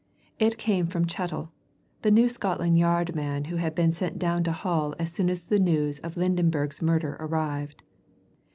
It came from Chettle, the New Scotland Yard man who had been sent down to Hull as soon as the news of Lydenberg's murder arrived.